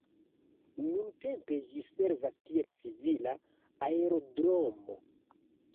Nuntempe ĝi servas kiel civila aerodromo.